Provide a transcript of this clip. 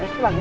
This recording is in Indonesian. eh pulang ya